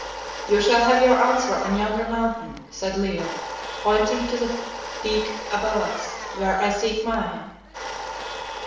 "You shall have your answer on yonder Mountain," said Leo, pointing to the peak above us, "where I seek mine."